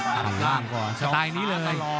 ตามล่างก่อนสไตล์นี้เลย